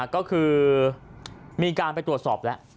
ก็คือมีการไปตรวจสอบแล้ว